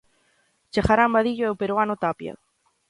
Chegarán Vadillo e o peruano Tapia.